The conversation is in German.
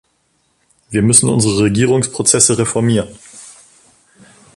Wir müssen unsere Regierungsprozesse reformieren.